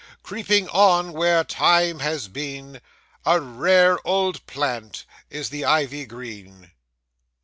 Creeping on where time has been, A rare old plant is the Ivy green.